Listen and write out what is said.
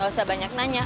gak usah banyak nanya